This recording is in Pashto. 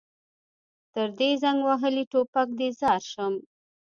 تر دې زنګ وهلي ټوپک دې ځار شم.